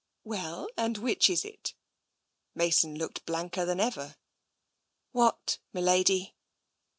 "Well, and which is it?" Mason looked blanker than ever. "What, m'lady?"